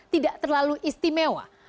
tidak terlalu istimewa